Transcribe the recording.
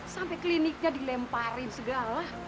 sampai kliniknya dilemparin segala